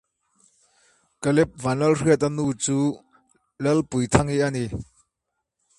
The company is comparable to that of the Belgian Legion.